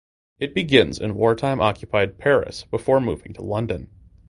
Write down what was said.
It begins in wartime occupied Paris before moving to London.